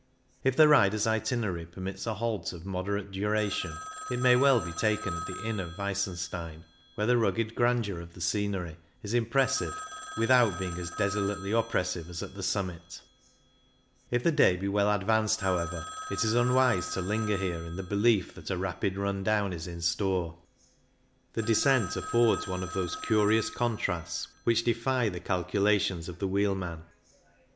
If the rider's itinerary permits a halt of moderate duration, it may well be taken at the Inn of Weissen stein, where the rugged grandeur of the scenery is impressive without being as desolately oppressive as at the summit. If the day be well advanced, however, it is unwise to linger here in the belief that a rapid run down is in store. The descent THE ALBULA 71 affords one of those curious contrasts which defy the calculations of the wheel man.